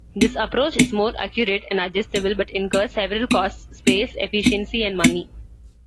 This approach is more accurate and adjustable, but incurs several costs-space, efficiency and money.